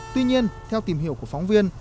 tuy nhiên theo tìm hiểu của phóng viên